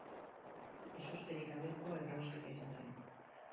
Ezusterik gabeko errausketa izan zen.